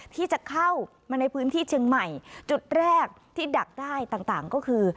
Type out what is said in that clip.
ที่จะเข้ามาในพื้นที่เชียงใหม่จุดแรกที่ดักได้ต่างต่างก็คือ